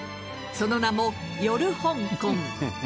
その名も夜香港。